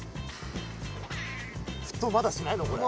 沸騰まだしないのこれ？